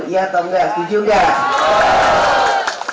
iya atau nggak setuju nggak